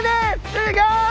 すギョい！